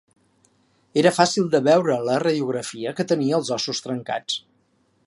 Era fàcil de veure a la radiografia que tenia els ossos trencats.